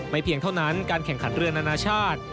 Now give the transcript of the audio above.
เพียงเท่านั้นการแข่งขันเรือนานาชาติ